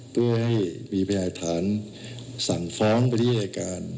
เพื่อให้มีพยาฐานสั่งฟ้องไปที่อายการ